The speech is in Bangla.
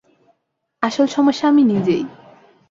আসল সমস্যা আমি নিজেই।